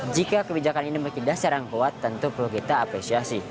jika kebijakan ini memiliki dasar yang kuat tentu perlu kita apresiasi